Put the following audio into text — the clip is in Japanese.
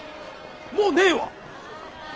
もうねえわ！